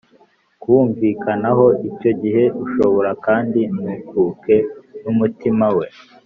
Kuwumvikanaho icyo gihe ushobora kandi ntukuke n umutima we